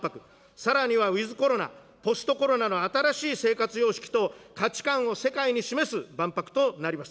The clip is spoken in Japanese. さらにはウィズコロナ、ポストコロナの新しい生活様式と、価値観を世界に示す万博となります。